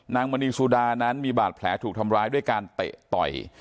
มณีสุดานั้นมีบาดแผลถูกทำร้ายด้วยการเตะต่อย